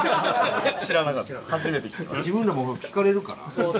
自分らも聞かれるから。